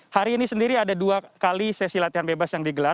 hari ini sendiri ada dua kali sesi latihan bebas yang digelar